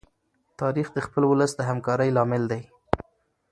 تاریخ د خپل ولس د همکارۍ لامل دی.